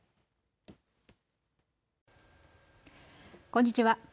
こんにちは。